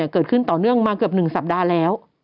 เกิดขึ้นต่อเนื่องมาเกือบ๑สัปดาห์แล้ว